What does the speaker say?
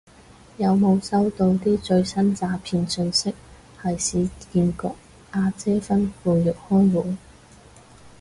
有冇收到啲最新詐騙訊息係市建局阿姐吩咐約開會